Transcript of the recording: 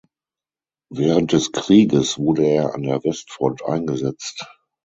Während des Krieges wurde er an der Westfront eingesetzt.